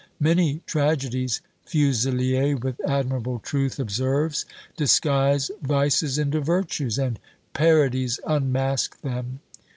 Many tragedies," Fuzelier, with admirable truth, observes, "disguise vices into virtues, and PARODIES unmask them."